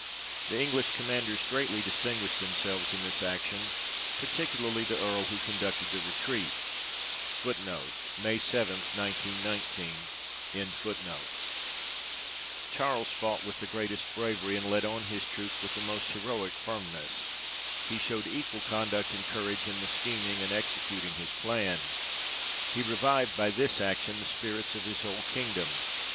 The English commanders greatly distinguished them selves in this action, particularly the Earl who con ducted the retreat. 1 Charles fought with the greatest bravery, and led on his troops with the most heroic firmness : he showed equal conduct and courage in the scheming, and exe cuting his plan. He revived by this action the spirits of his whole kingdom.